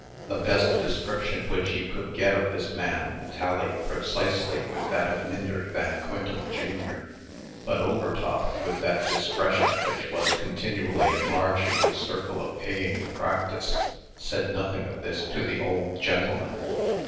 The best description which he could get of this man, tallied precisely with that of Myndert Van Quintem, jr. But Overtop, with that discretion which was continually enlarging his circle of paying practice, said nothing of this to the old gentleman.